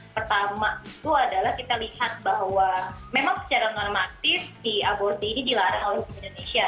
pertama itu adalah kita lihat bahwa memang secara normatif si aborsi ini dilarang oleh hukum indonesia